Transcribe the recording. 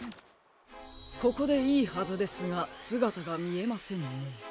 ここでいいはずですがすがたがみえませんね。